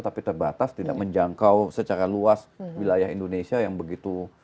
tapi terbatas tidak menjangkau secara luas wilayah indonesia yang begitu